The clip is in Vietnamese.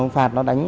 phạt nó đánh